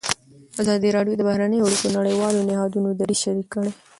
ازادي راډیو د بهرنۍ اړیکې د نړیوالو نهادونو دریځ شریک کړی.